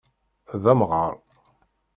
D amɣaṛ.